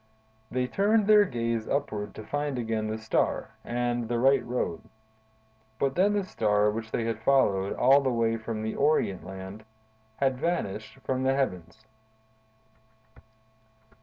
"They turned their gaze upward to find again the Star, and the right road; but then the Star which they had followed all the way from the Orient had vanished from the heavens."